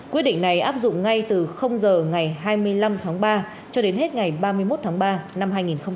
quyết định này áp dụng ngay từ giờ ngày hai mươi năm tháng ba cho đến hết ngày ba mươi một tháng ba năm hai nghìn hai mươi